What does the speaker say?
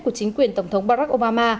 của chính quyền tổng thống barack obama